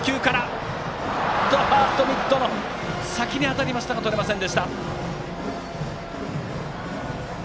ファーストミットの先に当たりましたがとれませんでした。